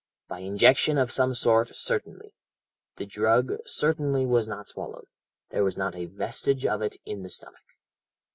By injection of some sort, certainly. The drug certainly was not swallowed; there was not a vestige of it in the stomach.'